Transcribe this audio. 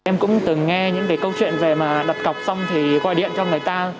em cũng từng nghe những cái câu chuyện về mà đặt cọc xong thì gọi điện cho người ta